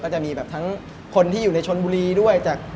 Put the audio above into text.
จะมีแบบทั้งคนที่อยู่ในชนบุรีด้วยจาก